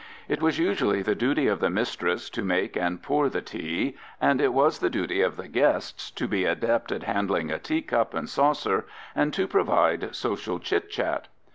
_ _It was usually the duty of the mistress to make and pour the tea; and it was the duty of the guests to be adept at handling a teacup and saucer and to provide social "chitchat."